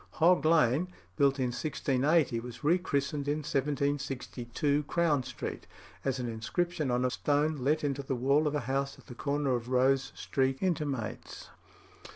Hog Lane, built in 1680, was rechristened in 1762 Crown Street, as an inscription on a stone let into the wall of a house at the corner of Rose Street intimates.